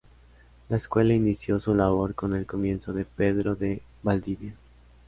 La escuela inició su labor con el comienzo de Pedro de Valdivia.